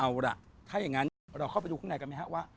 เอาล่ะถ้าอย่างนั้นเราเข้าไปดูข้างในกันไหมครับว่า